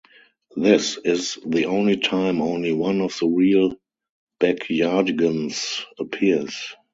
This is the only time only one of the real Backyardigans appears.